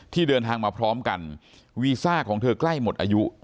เดินทางมาพร้อมกันวีซ่าของเธอใกล้หมดอายุ